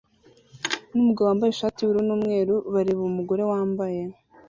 n'umugabo wambaye ishati y'ubururu n'umweru bareba umugore wambaye